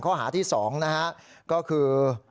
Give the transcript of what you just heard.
ข้อหาที่๒นะฮะก็คือ